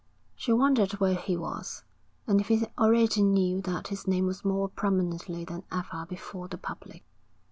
She wondered where he was, and if he already knew that his name was more prominently than ever before the public.